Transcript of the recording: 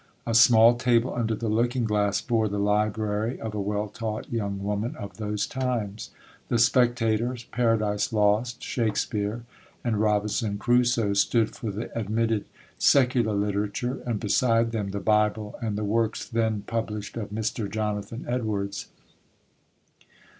A small table under the looking glass bore the library of a well taught young woman of those times. The 'Spectator,' 'Paradise Lost,' Shakspeare, and 'Robinson Crusoe,' stood for the admitted secular literature, and beside them the Bible and the works then published of Mr. Jonathan Edwards.